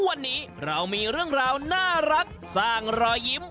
วันนี้เรามีเรื่องราวน่ารักสร้างรอยยิ้ม